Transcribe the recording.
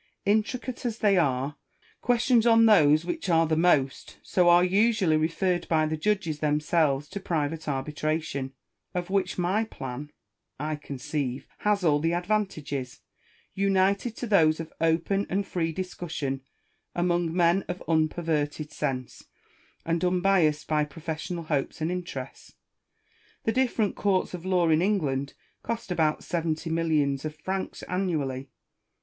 Intricate as they are, ques tions on those which are the most so are usually referred by the judges themselves to private arbitration ; of which my plan, I conceive, has all the advantages, united to those of open and free discussion among men of unperverted sense, and unbiassed by professional hopes and interests. The different courts of law in England cost about seventy mil lions of francs annually.